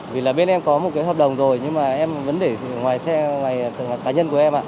vì là bên em có một cái hợp đồng rồi nhưng mà em vẫn để ngoài xe ngoài cá nhân của em ạ